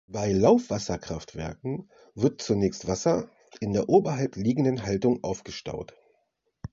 Bei Laufwasserkraftwerken wird zunächst Wasser in der oberhalb liegenden Haltung aufgestaut.